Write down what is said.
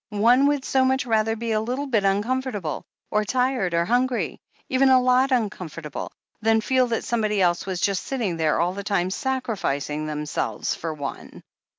One would so much rather be a little bit uncomfortable, or tired, or hungry— even a lot uncomfortable — ^than feel that somebody else was just sitting there all the time, sacrificing themselves for one."